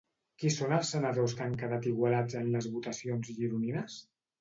Qui són els senadors que han quedat igualats en les votacions gironines?